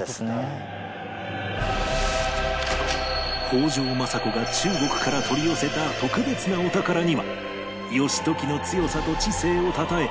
北条政子が中国から取り寄せた特別なお宝には義時の強さと知性をたたえ